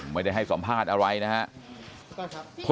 ไม่ได้ให้สัมภาษณ์อะไรนะครับ